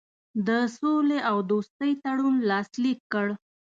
د سولي او دوستي تړون لاسلیک کړ.